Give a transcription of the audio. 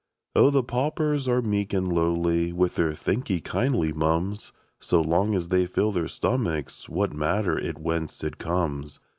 Oh, the paupers are meek and lowly With their " Thank 'ee kindly, mum's"; So long as they fill their stomachs, What matter it whence it comes